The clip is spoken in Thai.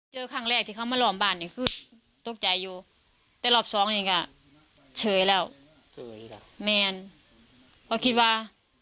เจอครั้งแรกที่เขามารอบบ้านเนี่ยคือตกใจอยู่แต่รอบสองอันนี้ก้า